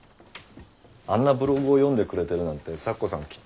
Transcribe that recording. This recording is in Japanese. あんなブログを読んでくれてるなんて咲子さん